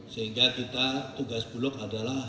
sehingga kita tugas bulog adalah